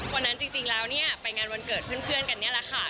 วันนั้นจริงแล้วเนี่ยไปงานวันเกิดเพื่อนกันนี่แหละค่ะ